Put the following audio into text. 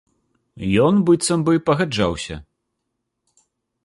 Ён быццам бы пагаджаўся.